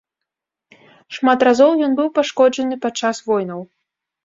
Шмат разоў ён быў пашкоджаны падчас войнаў.